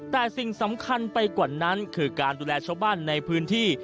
แต่สิ่งสำคัญไปกว่านั้นคือการดูแลชาวบ้านในพื้นที่